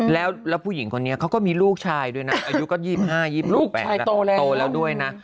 แล้วผู้หญิงคนนี้เขาก็มีลูกชายด้วยนะอายุก็๒๕๒ลูกชายโตแล้วโตแล้วด้วยนะ